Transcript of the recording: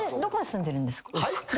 はい？